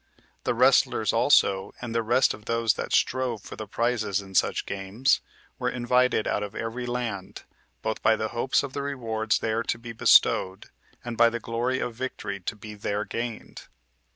The wrestlers also, and the rest of those that strove for the prizes in such games, were invited out of every land, both by the hopes of the rewards there to be bestowed, and by the glory of victory to be there gained.